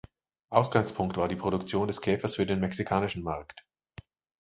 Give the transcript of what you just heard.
Ausgangspunkt war die Produktion des Käfers für den mexikanischen Markt.